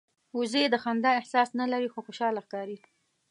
وزې د خندا احساس نه لري خو خوشاله ښکاري